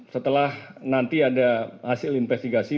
setelah nanti ada hasil investigasi